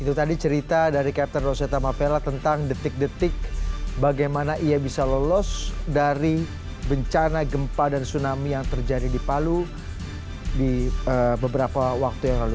itu tadi cerita dari captain roseta mapella tentang detik detik bagaimana ia bisa lolos dari bencana gempa dan tsunami yang terjadi di palu di beberapa waktu yang lalu